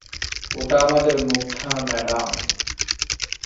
ওটা আমাদের মুগ্ধা ম্যাডাম।